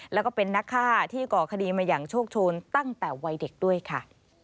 แล้วก็เป็นนักฆ่าที่ก่อคดีมาอย่างโชคโชนตั้งแต่วัยเด็กด้วยค่ะ